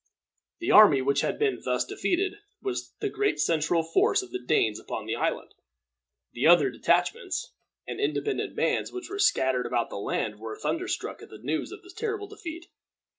The army which had been thus defeated was the great central force of the Danes upon the island. The other detachments and independent bands which were scattered about the land were thunderstruck at the news of this terrible defeat.